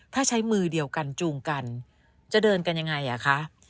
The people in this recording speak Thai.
ถ้าใช้มือเดียวกันจูงกันจะเดินกันยังไงอ่ะคะ